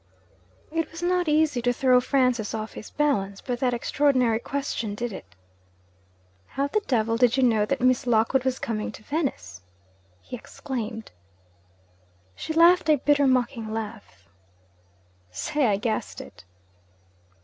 It was not easy to throw Francis off his balance, but that extraordinary question did it. 'How the devil did you know that Miss Lockwood was coming to Venice?' he exclaimed. She laughed a bitter mocking laugh. 'Say, I guessed it!'